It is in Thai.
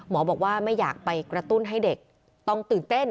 น้องก็ต้องติ้มเต้น